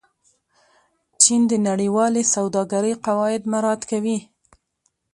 چین د نړیوالې سوداګرۍ قواعد مراعت کوي.